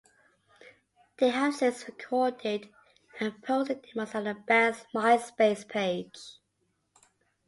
They have since recorded and posted demos on the band's MySpace page.